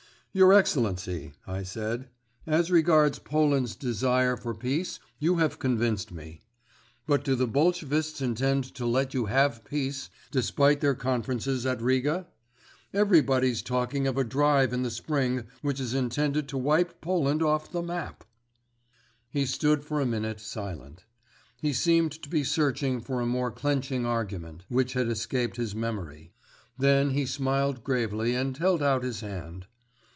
"Your Excellency," I said, "as regards Poland's desire for peace you have convinced me. But do the Bolshevists intend to let you have peace, despite their conferences at Riga? Everybody's talking of a drive in the spring which is intended to wipe Poland off the map." He stood for a minute silent. He seemed to be searching for a more clenching argument, which had escaped his memory. Then he smiled gravely and held out his hand.